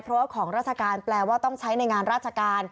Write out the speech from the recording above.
เพราะว่าของราชการแปลว่าต้องใช้ในงานราชการ